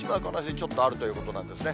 ちょっとあるということなんですね。